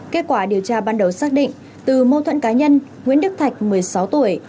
kết quả điều tra ban đầu xác định từ mâu thuẫn cá nhân nguyễn đức thạch một mươi sáu tuổi